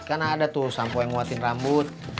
kan ada tuh sampe yang nguatin rambut